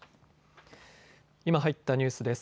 今、入ったニュースです。